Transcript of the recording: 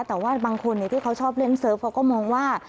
แต่ว่าบางคนที่เขาชอบเล่นเซิร์ฟเขาก็มองว่า